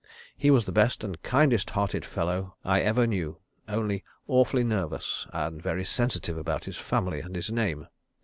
He was the best and kindest hearted fellow I over knew, only awfully nervous, and very sensitive about his family and his name.